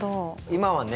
今はね